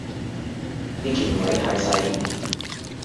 啲鍵位太細